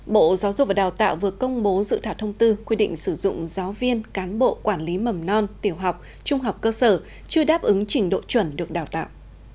bộ giáo dục và đào tạo vừa công bố dự thảo thông tư quy định sử dụng giáo viên cán bộ quản lý mầm non tiểu học trung học cơ sở chưa đáp ứng trình độ chuẩn được đào tạo